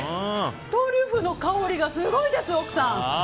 トリュフの香りがすごいです、奥さん！